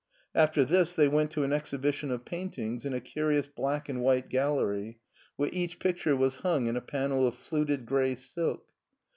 After this they went to an exhibition of paintings in a curious black and white gallery, where each picture was himg in a panel of fluted gray silk.